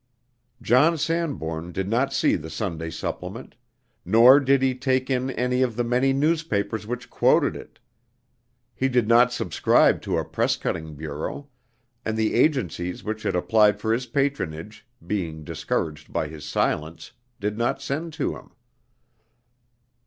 John Sanbourne did not see the Sunday supplement, nor did he take in any of the many newspapers which quoted it. He did not subscribe to a press cutting bureau; and the agencies which had applied for his patronage, being discouraged by his silence, did not send to him.